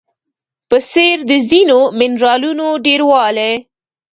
په څېر د ځینو منرالونو ډیروالی